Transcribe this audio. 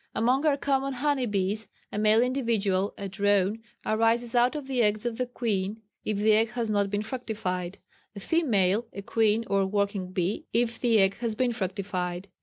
Among our common honey bees, a male individual (a drone) arises out of the eggs of the queen, if the egg has not been fructified; a female (a queen, or working bee) if the egg has been fructified.